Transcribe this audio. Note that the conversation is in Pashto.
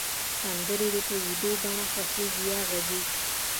سندری د په ویډیو بڼه خوښیږی یا غږیز